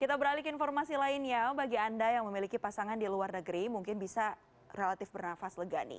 kita beralih ke informasi lainnya bagi anda yang memiliki pasangan di luar negeri mungkin bisa relatif bernafas lega nih